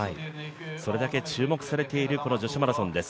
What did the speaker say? それだけ注目されている女子マラソンです。